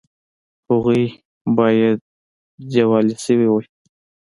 هغوی باید دیوالیه شوي وي